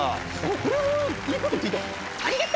これはいいこと聞いた。